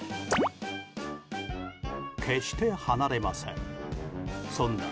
決して離れません。